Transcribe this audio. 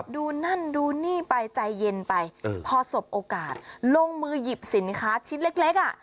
ดูนั่นดูนี่ไปใจเย็นไปพอสบโอกาสลงมือหยิบสินค้าชิ้นเล็กอ่ะ